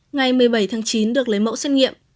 ngày một mươi bảy tháng chín được lấy mẫu xét nghiệm